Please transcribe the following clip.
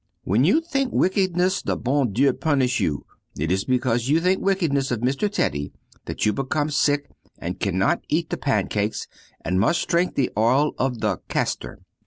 When you think wickedness the bon Dieu punish you. It is because you think wickedness of Mr. Teddy that you become sick and cannot to eat the pancakes, and must drink the oil of the caster.